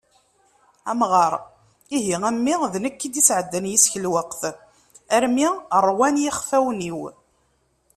Amɣar: "Ihi! A mmi, d nekk i d-isεeddan yis-k lweqt, armi ṛwan yixfawen-iw."